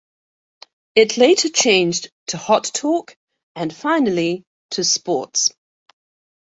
It later changed to Hot Talk, and finally, to Sports.